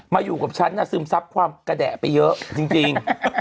อยู่กับฉันน่ะซึมซับความกระแดะไปเยอะจริง